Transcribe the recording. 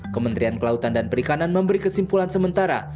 kementerian kelautan dan perikanan memberi kesimpulan sementara